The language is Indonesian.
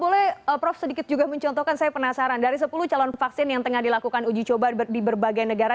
boleh prof sedikit juga mencontohkan saya penasaran dari sepuluh calon vaksin yang tengah dilakukan uji coba di berbagai negara